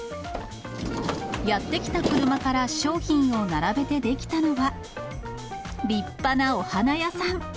やって来た車から商品を並べて出来たのは、立派なお花屋さん。